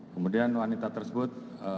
kemudian wanita tersebut